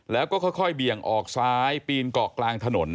แล้วก็ค่อยเบี่ยงออกซ้ายปีนเกาะกลางถนน